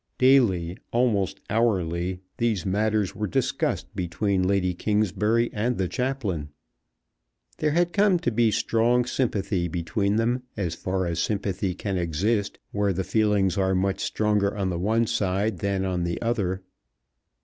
Daily, almost hourly, these matters were discussed between Lady Kingsbury and the chaplain. There had come to be strong sympathy between them as far as sympathy can exist where the feelings are much stronger on the one side than on the other.